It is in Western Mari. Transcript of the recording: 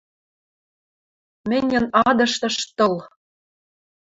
Мӹньӹн адыштыш тыл!..